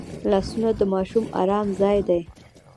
لاسونه د ماشوم ارام ځای دی